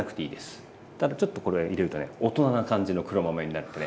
ただちょっとこれ入れるとね大人な感じの黒豆になってね